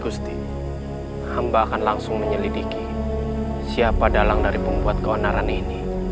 gusti hamba akan langsung menyelidiki siapa dalang dari pembuat keonaran ini